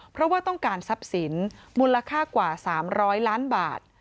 เพราะว่าต้องการทรัพย์สินมูลค่ากว่า๓๐๐ล้านบาท